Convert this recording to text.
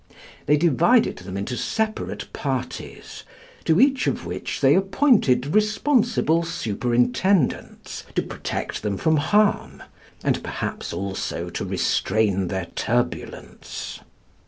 They divided them into separate parties, to each of which they appointed responsible superintendents to protect them from harm, and perhaps also to restrain their turbulence.